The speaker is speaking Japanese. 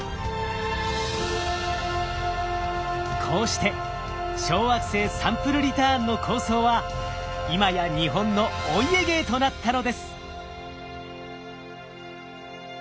こうして小惑星サンプルリターンの構想は今や日本のお家芸となったのです。